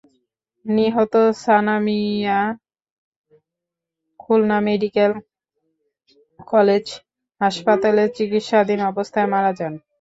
নিহত Sana Mia Khulna medical college হাসপাতালে চিকিৎসাধীন অবস্থায় মারা যান।